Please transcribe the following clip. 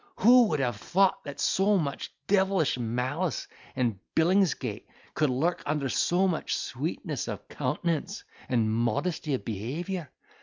Who would have thought that so much devilish malice and Billingsgate could lurk under so much sweetness of countenance and modesty of behaviour?